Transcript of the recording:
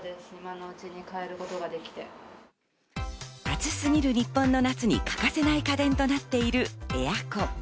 暑すぎる日本の夏に欠かせない家電となっているエアコン。